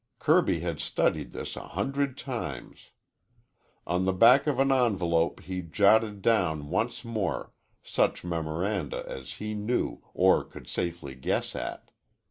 Kirby had studied this a hundred times. On the back of an envelope he jotted down once more such memoranda as he knew or could safely guess at.